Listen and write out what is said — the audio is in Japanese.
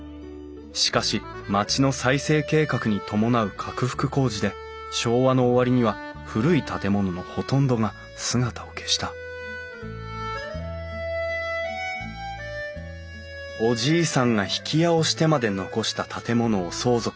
しかし町の再生計画に伴う拡幅工事で昭和の終わりには古い建物のほとんどが姿を消したおじいさんが曳家をしてまで残した建物を相続した後藤さん。